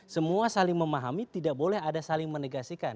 semua saling memahami tidak boleh ada saling menegasikan